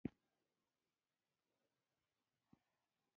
ډرامه د شخصیت روزنه کوي